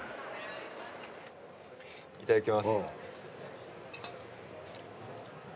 いただきます。